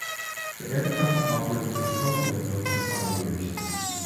The aircraft operated with Continental for five years.